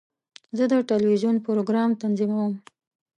زه د ټلویزیون پروګرام تنظیموم.